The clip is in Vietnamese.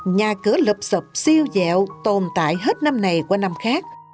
nhà cửa lụp xụp siêu dẹo tồn tại hết năm này qua năm khác